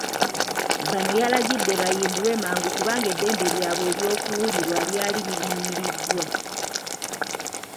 Bano yalagidde bayimbulwe mangu kubanga eddembe lyabwe ery'okuwulirwa lyali lirinyiriddwa.